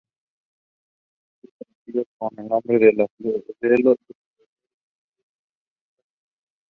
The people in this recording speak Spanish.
Son conocidos con el nombre de sus autores: Mateo, Marcos, Lucas y Juan.